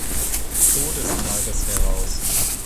Todestages heraus.